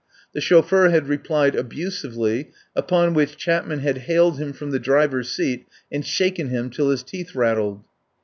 The chauffeur had replied abusively, upon which Chapman had haled him from the driver's seat and shaken him till his teeth rattled.